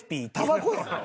たばこやん。